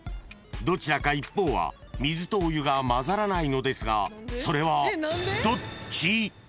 ［どちらか一方は水とお湯が混ざらないのですがそれはどっち？］